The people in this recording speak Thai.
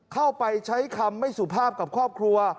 เข้าไปใช้คำไม่สุภาพกับครอบครัว